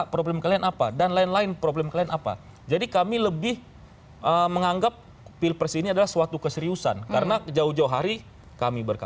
terima kasih terima kasih